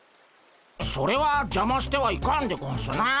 それはじゃましてはいかんでゴンスな。